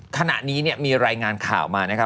ขณะนี้เนี่ยมีรายงานข่าวมานะครับ